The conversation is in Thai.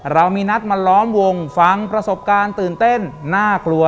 เรามีนัดมาล้อมวงฟังประสบการณ์ตื่นเต้นน่ากลัว